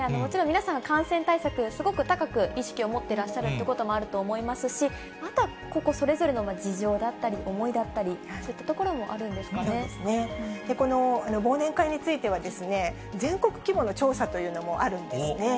もちろん皆さん、感染対策、すごく高く意識を持ってらっしゃるということもあると思いますし、また個々それぞれの事情だったり、思いだったり、そういったところこの忘年会については、全国規模の調査というのもあるんですね。